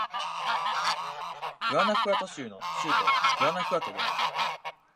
グアナフアト州の州都はグアナフアトである